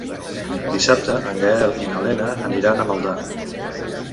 Dissabte en Gaël i na Lena aniran a Maldà.